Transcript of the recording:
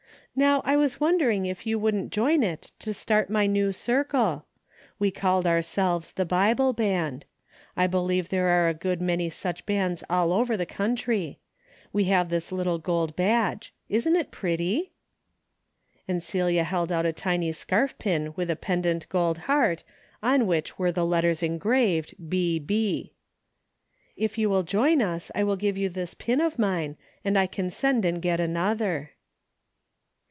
Now I was wondering if you wouldn't join it to start my new circle ? We called ourselves the Bible Band. I believe there are a good many such bands all over the country. We have this little gold badge. Isn't it pretty?" and Celia held out a tiny scarf pin with a pendant gold heart, on which were the letters engraved B. B. "If you will join us, I'll give you this pin of mine, and I can send and get another."